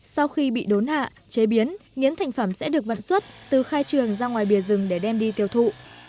sau khi bị đốn hạ chế biến những thành phẩm sẽ được vận xuất từ khai trường ra ngoài bìa rừng để đem đi tiêu thụ